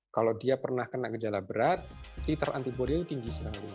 kalau dia pernah kena gejala berat titel antibodi itu tinggi